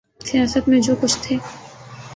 سیاست میں جو کچھ تھے۔